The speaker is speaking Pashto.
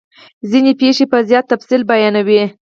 ځیني پیښې په زیات تفصیل بیانوي.